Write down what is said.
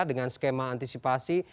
dengan skema antisipasi